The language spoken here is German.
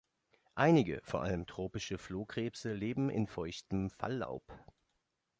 Einige, vor allem tropische Flohkrebse leben in feuchtem Falllaub.